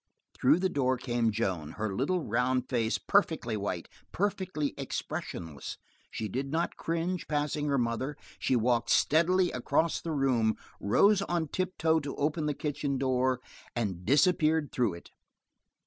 Through the door came Joan, her little round face perfectly white, perfectly expressionless. She did not cringe, passing her mother; she walked steadily across the room, rose on tip toe to open the kitchen door, and disappeared through it.